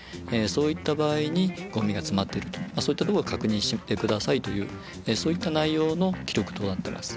そういった場合にゴミが詰まってるとそういったとこを確認して下さいというそういった内容の記録となってます。